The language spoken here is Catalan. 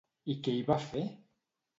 I què hi va fer?